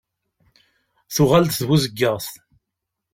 Tuɣal-d tbuzeggaɣt.